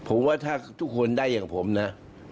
ผมว่าถ้าทุกคนได้อย่างผมนะ